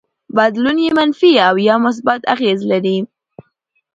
بدلون يې منفي او يا مثبت اغېز لري.